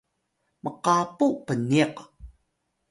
mqapu pniq